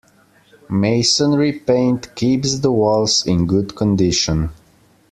Masonry paint keeps the walls in good condition.